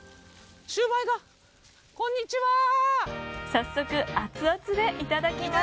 早速アツアツでいただきます！